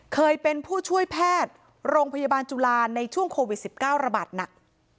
เคยเป็นผู้ช่วยแพทย์โรงพยาบาลจุฬาในช่วงโควิด๑๙ระบาดหนัก